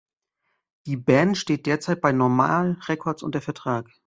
Die Band steht derzeit bei Normal Records unter Vertrag.